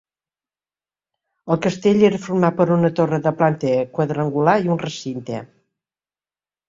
El castell era format per una torre de planta quadrangular i un recinte.